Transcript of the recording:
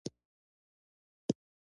د زلزلې په جریان کې تر کلک میز لاندې پټ شئ.